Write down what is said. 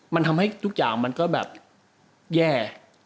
มันทำให้ทุกอย่างมันก็แบบแย่